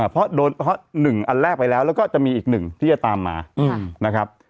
เพราะโดน๑อันแรกไปแล้วแล้วก็จะมีอีกหนึ่งที่จะตามมานะครับ